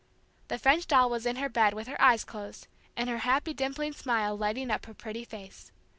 The French doll was in bed with her eyes closed, and her happy dimpling smile lighting up her pretty face.